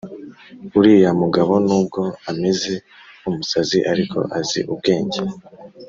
Uriya mugabo nubwo ameze nk’umusazi ariko azi ubwenge